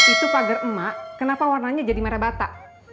itu pagar emak kenapa warnanya jadi merah batak